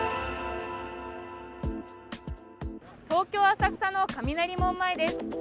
東京・浅草の雷門前です